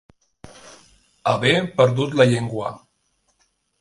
Haver perdut la llengua.